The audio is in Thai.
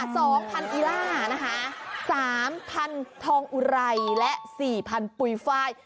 สองพันธุ์อีล่านะคะสามพันธุ์ทองอุไรและสี่พันธุ์ปุ๋ยฟาย